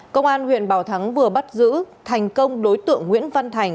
công an huyện bảo thắng vừa bắt giữ thành công đối tượng nguyễn văn thành